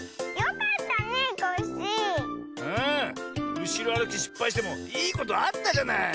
うしろあるきしっぱいしてもいいことあったじゃない？